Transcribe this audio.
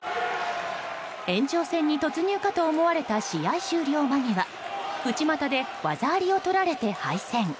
延長戦に突入かと思われた試合終了間際内股で技ありをとられて敗戦。